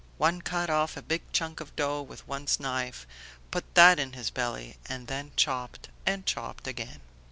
One cut off a big chunk of dough with one's knife, put that in his belly, and then chopped and chopped again!"